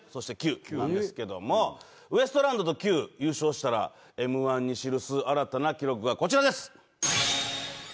キュウなんですけれども、ウエストランドとキュウ、優勝したら、Ｍ−１に記す新たな記録がこちらです！